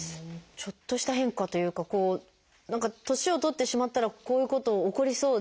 ちょっとした変化というか年を取ってしまったらこういうこと起こりそうで。